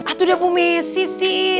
ah itu udah bu messi sih